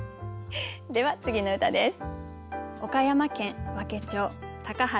では次の歌です。